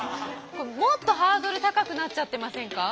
もっとハードル高くなっちゃってませんか？